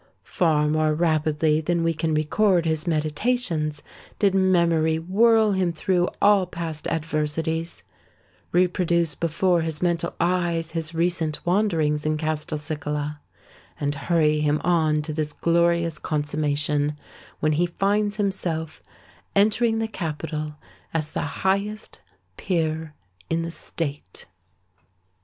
Far more rapidly than we can record his meditations, did memory whirl him through all past adversities—reproduce before his mental eyes his recent wanderings in Castelcicala—and hurry him on to this glorious consummation, when he finds himself entering the capital as the highest peer in the State.